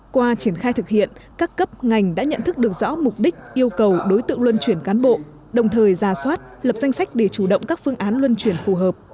qua triển khai thực hiện các cấp ngành đã nhận thức được rõ mục đích yêu cầu đối tượng luân chuyển cán bộ đồng thời ra soát lập danh sách để chủ động các phương án luân chuyển phù hợp